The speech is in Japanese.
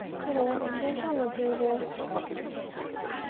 黒２子にプレッシャーをかけるということです。